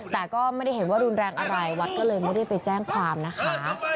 แต่ก็ไม่ได้เห็นว่ารุนแรงอะไรวัดก็เลยไม่ได้ไปแจ้งความนะคะ